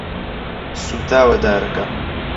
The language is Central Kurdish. سوتاوە دارەکە.